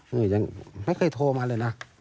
นี่ยังไม่เคยโทรมาเลยนะ